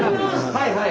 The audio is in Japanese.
はいはい。